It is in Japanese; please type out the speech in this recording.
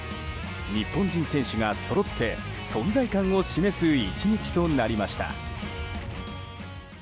日本人選手がそろって存在感を示す１日となりました。